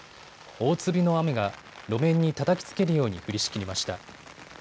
大粒の雨が路面にたたきつけるように降りしきりました。